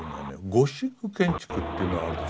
ゴシック建築っていうのがあるでしょ。